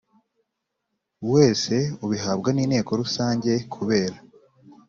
wese ubihabwa n Inteko Rusange kubera